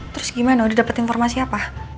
terus gimana udah dapet informasi apa